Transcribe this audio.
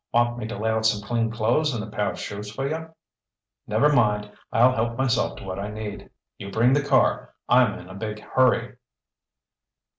Want me to lay out some clean clothes and a pair of shoes for you?" "Never mind. I'll help myself to what I need. You bring the car. I'm in a big hurry."